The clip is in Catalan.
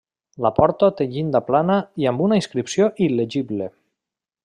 La porta té llinda plana i amb una inscripció il·legible.